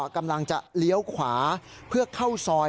กำลังจะเลี้ยวขวาเพื่อเข้าซอย